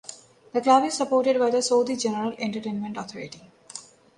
The club is supported by the Saudi General Entertainment Authority.